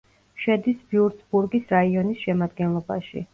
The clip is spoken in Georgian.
შედის ვიურცბურგის რაიონის შემადგენლობაში.